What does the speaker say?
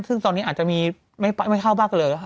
ซึ่งตอนนี้อาจจะมีไม่เข้าบ้างเลย